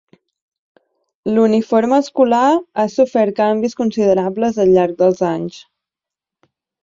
L'uniforme escolar ha sofert canvis considerables al llarg dels anys.